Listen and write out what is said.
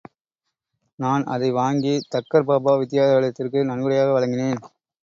நான் அதை வாங்கி தக்கர் பாபா வித்யாலயத்திற்கு நன்கொடையாக வழங்கினேன்.